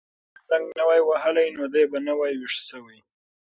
که موبایل زنګ نه وای وهلی نو دی به نه وای ویښ شوی.